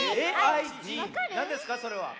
なんですかそれは？